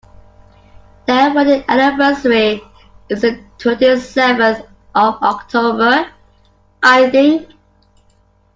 Their wedding anniversary is the twenty-seventh of October, I think